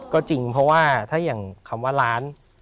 ก็จริงเพราะว่าถ้าอย่างคำว่าร้าน